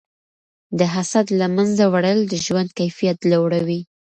د حسد له منځه وړل د ژوند کیفیت لوړوي.